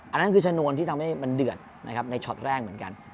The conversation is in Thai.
อันนั้นคือชนวนที่ทำให้มันเดือดนะครับในช็อตแรกเหมือนกัน